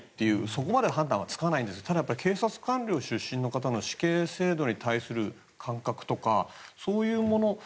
そこまでの判断はつかないただ、警察官僚出身の方の死刑制度に対する感覚とかそういうもの